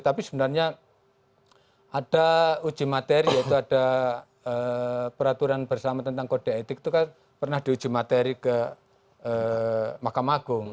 tapi sebenarnya ada uji materi yaitu ada peraturan bersama tentang kode etik itu kan pernah diuji materi ke mahkamah agung